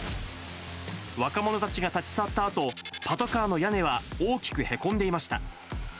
若者たちが立ち去ったあと、パトカーの屋根は大きくへこんでいました。